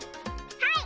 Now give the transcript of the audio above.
はい！